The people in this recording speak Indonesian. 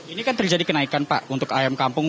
ini kan terjadi kenaikan pak untuk ayam kampung